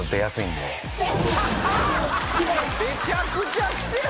めちゃくちゃしてるやん。